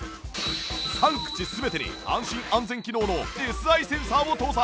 ３口全てに安心安全機能の Ｓｉ センサーを搭載